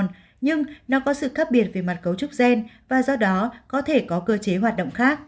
nhưng nó có sự khác biệt về mặt cấu trúc gen và do đó có thể có cơ chế hoạt động khác